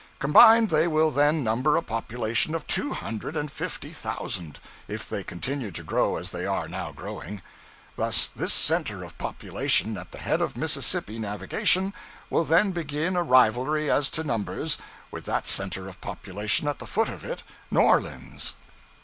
Combined, they will then number a population of two hundred and fifty thousand, if they continue to grow as they are now growing. Thus, this center of population at the head of Mississippi navigation, will then begin a rivalry as to numbers, with that center of population at the foot of it New Orleans.